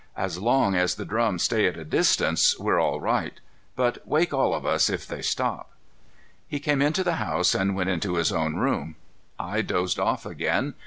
As long as the drums stay at a distance, we're all right. But wake all of us if they stop." He came into the house and went into his own room. I dozed off again.